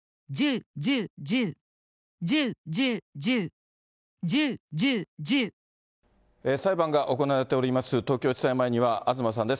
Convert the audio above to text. そして、裁判が行われております、東京地裁前には東さんです。